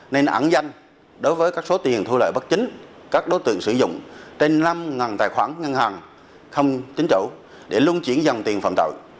nên ẵn danh đối với các số tiền thu lợi bất chính các đối tượng sử dụng trên năm tài khoản ngân hàng không chính chủ để luôn chuyển dòng tiền phạm tội